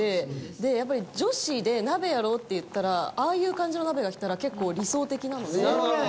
でやっぱり女子で鍋やろうっていったらああいう感じの鍋が来たら結構なるほど。